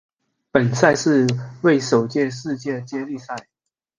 本届赛事为首届世界接力赛。